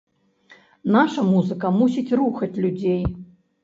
Наша музыка мусіць рухаць людзей.